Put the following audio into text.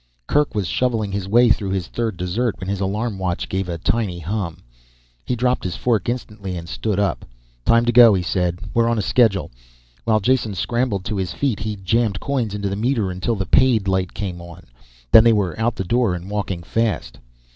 Kerk was shoveling his way through his third dessert when his alarm watch gave a tiny hum. He dropped his fork instantly and stood up. "Time to go," he said. "We're on schedule now." While Jason scrambled to his feet, he jammed coins into the meter until the paid light came on. Then they were out the door and walking fast.